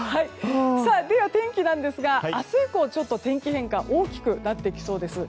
では天気なんですが明日以降、天気変化大きくなってきそうです。